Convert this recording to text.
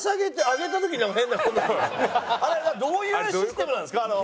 あれはどういうシステムなんですか？